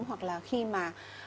hoặc là khi mà